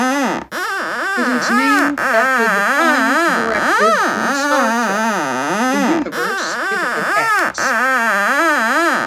It is named after the Prime Directive in Star Trek, the universe it adapts.